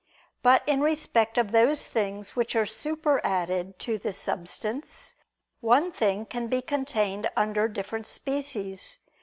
But in respect of those things which are superadded to the substance, one thing can be contained under different species.